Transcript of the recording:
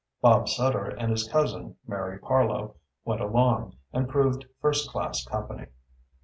Bob Sutter and his cousin, Mary Parloe, went along, and proved first class company.